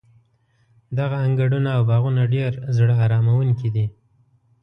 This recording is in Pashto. دغه انګړونه او باغونه ډېر زړه اراموونکي دي.